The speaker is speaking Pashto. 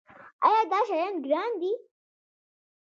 ایا دا شیان ګران دي؟